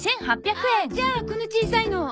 ああじゃあこの小さいの。